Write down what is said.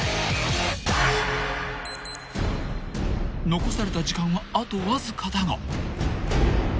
［残された時間はあとわずかだが］